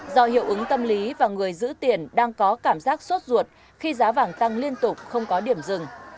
do hiệu ứng tâm lý và người giữ tiền đang có cảm giác suốt ruột khi giá vàng tăng liên tục không có điểm dừng